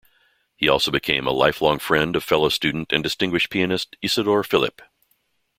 He also became a lifelong friend of fellow student and distinguished pianist Isidor Philipp.